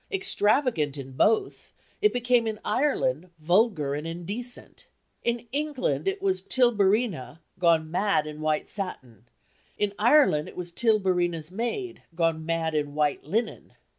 Extravagant in both, it became in Ireland vulgar and indecent. In England, it was Tilburina, gone mad in white satin; in Ireland it was Tilburina's maid, gone mad in white linen.